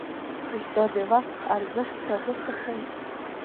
استاد د وخت ارزښت شاګرد ته ښيي.